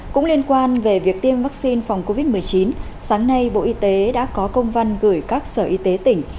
cũng liên quan về việc tiêm vaccine phòng covid một mươi chín sáng nay bộ y tế đã có công văn gửi các sở y tế tỉnh